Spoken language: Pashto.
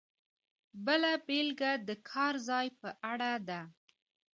بله بېلګه د کار ځای په اړه ده.